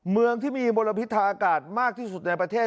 เมืองที่มีมลพิษทางอากาศมากที่สุดในประเทศ